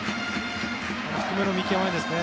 低めの見極めですね。